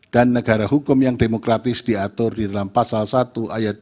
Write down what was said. negara hukum yang demokratis diatur di dalam pasal satu ayat dua